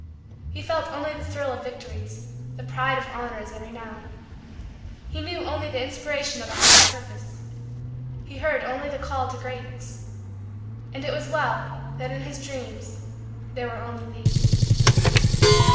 He felt only the thrill of victories, the pride of honors and renown. He knew only the inspiration of a high purpose. He heard only the call to greatness. And it was well that in his Dreams there were only these.